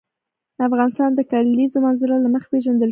افغانستان د د کلیزو منظره له مخې پېژندل کېږي.